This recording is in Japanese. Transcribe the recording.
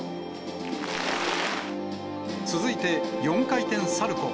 続いて、４回転サルコー。